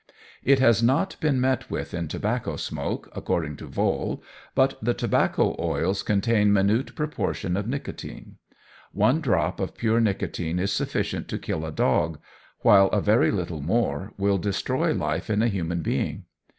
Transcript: It has not been met with in tobacco smoke, according to Vohl, but the tobacco oils contain minute proportion of nicotine. One drop of pure nicotine is sufficient to kill a dog, while a very little more will destroy life in a human being.